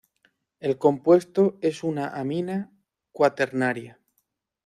El compuesto es una amina cuaternaria.